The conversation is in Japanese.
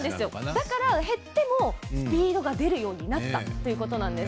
だから、減ってもスピードが出るようになったということなんです。